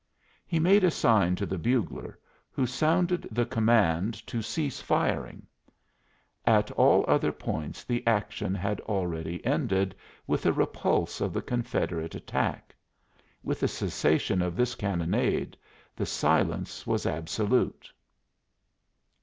He made a sign to the bugler, who sounded the command to cease firing. At all other points the action had already ended with a repulse of the Confederate attack; with the cessation of this cannonade the silence was absolute.